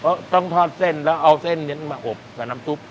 ต้องทอดเส้นแล้วเอาเส้นนี้มาอบกับน้ำซุป